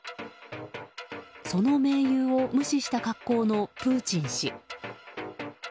その盟友を無視した格好のプーチン氏。